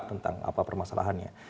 tentang apa permasalahannya